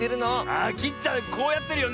あきっちゃんこうやってるよね。